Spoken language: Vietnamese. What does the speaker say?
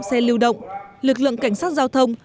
xe lưu động lực lượng cảnh sát giao thông